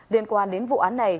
liên quan đến vụ án này